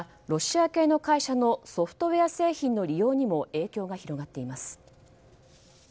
ロシア系の会社のソフトウェア製品の利用にも影響が広がっています。